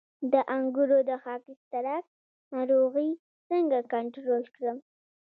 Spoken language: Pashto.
د انګورو د خاکسترک ناروغي څنګه کنټرول کړم؟